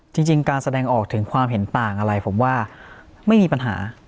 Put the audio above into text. จริงการแสดงออกถึงความเห็นต่างอะไรผมว่าไม่มีปัญหา